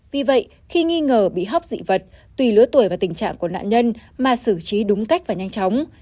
vì vậy khi nghi ngờ bị hóc dị vật tùy lứa tuổi và tình trạng của nạn nhân mà xử trí đúng cách và nhanh chóng